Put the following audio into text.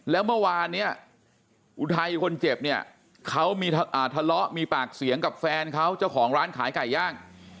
แล้วเมื่อวานเนี่ยอุทัยคนเจ็บเนี่ยเขามีทะเลาะมีปากเสียงกับแฟนเขาเจ้าของร้านขายไก่ย่าง